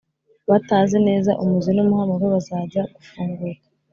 batazi neza umuzi n'umuhamuro. bazajya gufunguka